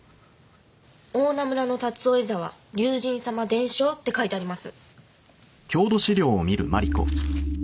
「大菜村の竜追沢竜神様伝承」って書いてあります。